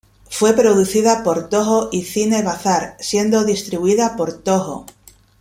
Fue producida por Tōhō y Cine Bazar, siendo distribuida por Tōhō.